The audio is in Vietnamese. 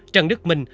trần đức minh